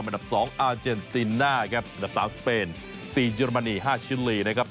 อันดับ๒อาเจนติวหน้าอันดับสามสเปนสี่เยอรมันีห้าชิ้นรีนะครับ